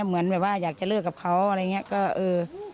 เหมือนแบบว่าอยากจะเลิกกับเขาอะไรอย่างนี้ก็เออ